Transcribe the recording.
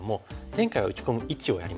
前回は打ち込む位置をやりました。